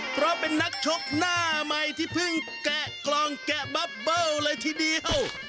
เพราะเป็นนักชกหน้าใหม่ที่เพิ่งแกะกล่องแกะบับเบิ้ลเลยทีเดียว